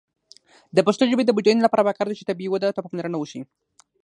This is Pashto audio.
د پښتو ژبې د بډاینې لپاره پکار ده چې طبیعي وده ته پاملرنه وشي.